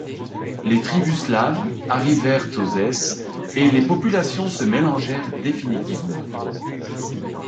Les tribus slaves arrivèrent aux s et les populations se mélangèrent définitivement.